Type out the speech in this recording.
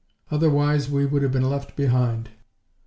Otherwise we would have been left behind."